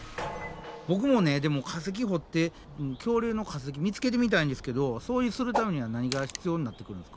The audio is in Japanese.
ボクもねでも化石掘って恐竜の化石見つけてみたいんですけどそうするためには何が必要になってくるんですか？